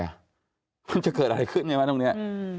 มันจะเกิดอะไรขึ้นใช่ไหมตรงนี้